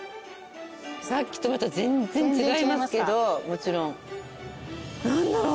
さっきとまた全然違いますけどもちろん。何だろう？